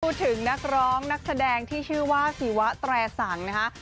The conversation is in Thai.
พูดถึงนักร้องนักแสดงที่ชื่อว่าศิวะแตรสังนะคะ